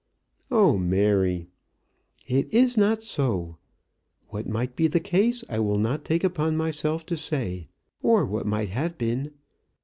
"Oh, Mary!" "It is not so. What might be the case I will not take upon myself to say, or what might have been.